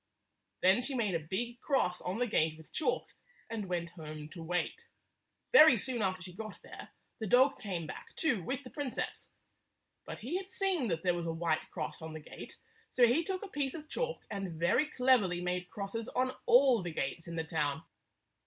Then she made a big cross on the gate with chalk and went home to wait. Very soon after she got there, the dog came 170 back, too, with the princess. But he had seen that there was a white cross on the gate, so he took a piece of chalk and very cleverly made crosses on all the gates in the town.